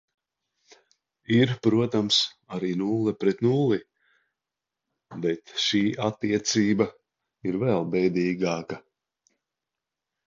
Ir, protams, arī nulle pret nulli, bet šī attiecība ir vēl bēdīgāka.